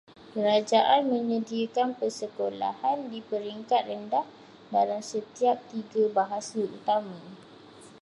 Kerajaan menyediakan persekolahan di peringkat rendah dalam setiap tiga bahasa utama.